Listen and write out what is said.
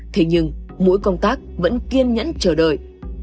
thế nhưng mỗi công tác vẫn kiên nhẫn chờ đợi